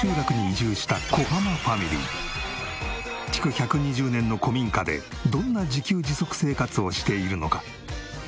築１２０年の古民家でどんな自給自足生活をしているのか？